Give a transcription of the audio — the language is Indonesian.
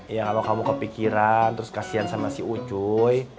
ya kalau kamu kepikiran terus kasian sama si ucuy